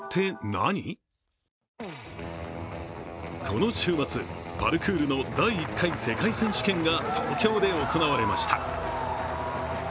この週末、パルクールの第１回世界選手権が東京で行われました。